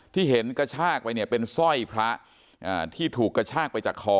ที่เห็นกระชากไปเนี่ยเป็นสร้อยพระที่ถูกกระชากไปจากคอ